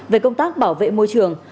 về công tác bảo vệ môi trường